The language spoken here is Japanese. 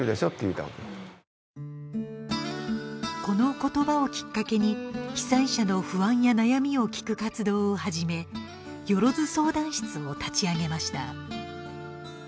この言葉をきっかけに、被災者の不安や悩みを聞く活動を始め、よろず相談室を立ち上げました。